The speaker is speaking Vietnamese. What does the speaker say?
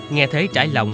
nghe thế trải lòng